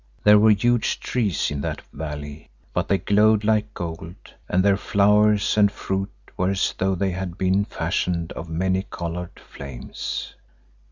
There were huge trees in that valley, but they glowed like gold and their flowers and fruit were as though they had been fashioned of many coloured flames.